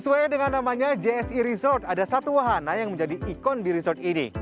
sesuai dengan namanya jsi resort ada satu wahana yang menjadi ikon di resort ini